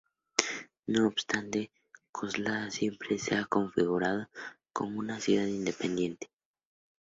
No obstante, Coslada siempre se ha configurado como una ciudad independiente.